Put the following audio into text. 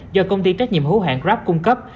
do công ty trách nhiệm hữu hạng grab cung cấp